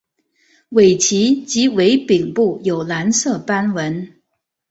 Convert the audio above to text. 尾鳍及尾柄部有蓝色斑纹。